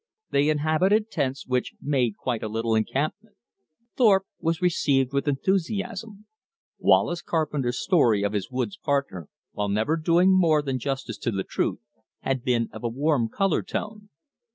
They inhabited tents, which made quite a little encampment. Thorpe was received with enthusiasm. Wallace Carpenter's stories of his woods partner, while never doing more than justice to the truth, had been of a warm color tone.